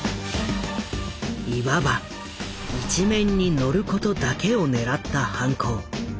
いわば「一面にのること」だけを狙った犯行。